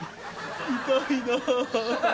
痛いな。